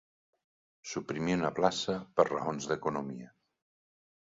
Suprimir una plaça per raons d'economia.